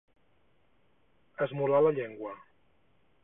Esmolar la llengua.